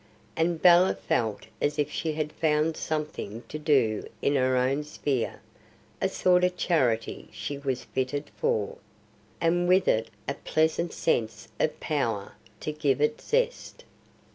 And Bella felt as if she had found something to do in her own sphere, a sort of charity she was fitted for, and with it a pleasant sense of power to give it zest.